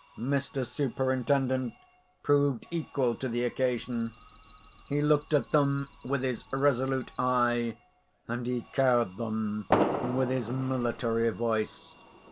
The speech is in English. Mr. Superintendent proved equal to the occasion; he looked at them with his resolute eye, and he cowed them with his military voice.